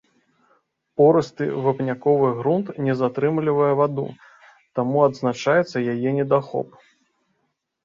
Порысты вапняковы грунт не затрымлівае ваду, таму адзначаецца яе недахоп.